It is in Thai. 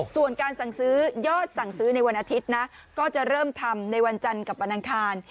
ส่วนการสั่งซื้อยอดสั่งซื้อในวันอาทิตย์นะก็จะเริ่มทำในวันจันทร์กับวันอังคาร